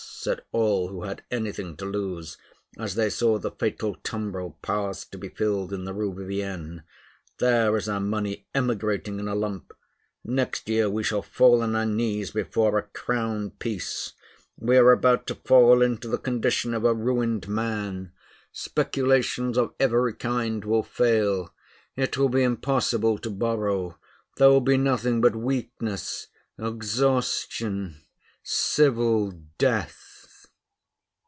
said all who had anything to lose, as they saw the fatal tumbril pass to be filled in the Rue Vivienne, "there is our money emigrating in a lump; next year we shall fall on our knees before a crown piece; we are about to fall into the condition of a ruined man; speculations of every kind will fail; it will be impossible to borrow; there will be nothing but weakness, exhaustion, civil death."